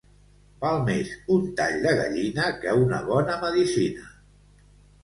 Val més un tall de gallina que una bona medicina.